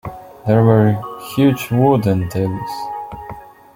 There were huge wooden tables.